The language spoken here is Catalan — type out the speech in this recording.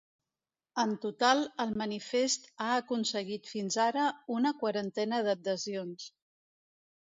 En total, el manifest ha aconseguit fins ara una quarantena d’adhesions.